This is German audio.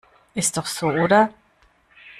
Ist doch so, oder?